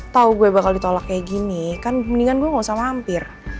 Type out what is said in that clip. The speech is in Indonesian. tau gue bakal ditolak kayak gini kan mendingan gue gak usah mampir